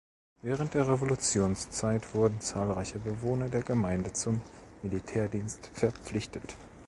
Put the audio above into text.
Während der Revolutionszeit wurden zahlreiche Bewohner der Gemeinde zum Militärdienst verpflichtet.